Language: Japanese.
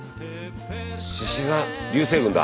しし座流星群だ。